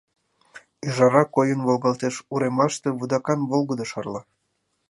Ӱжара койын волгалтеш, уремлаште вудакан волгыдо шарла.